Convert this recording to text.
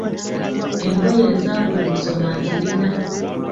Engoye ezabuli musono azirina.